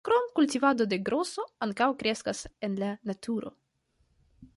Krom kultivado la groso ankaŭ kreskas en la naturo.